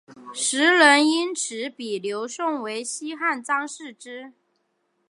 时人因此比刘颂为西汉张释之。